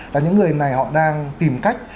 là những người này họ đang tìm cách